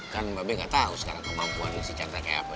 kan mbak bey gak tahu sekarang kemampuannya si chandra kayak apa